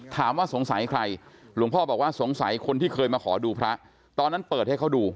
ถามว่าสงสัยใครหลวงพ่อบอกว่าสงสัยคนที่เคยมาขอดูพระตอนนั้นเปิดให้เขาดู